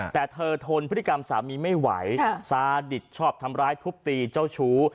แต่เธอทนพฤติกรรมสามีไม่ไหวซาดิตชอบทำร้ายทุบตีเจ้าชู้